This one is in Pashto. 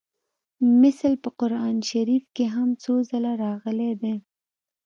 مثل په قران شریف کې هم څو ځایه راغلی دی